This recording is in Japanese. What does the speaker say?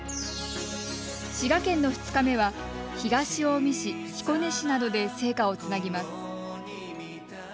滋賀県の２日目は東近江市彦根市などで聖火をつなぎます。